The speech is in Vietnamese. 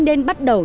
nên bắt đầu